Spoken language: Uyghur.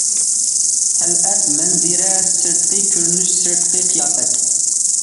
تەلئەت : مەنزىرە، سىرتقى كۆرۈنۈش، سىرتقى قىياپەت.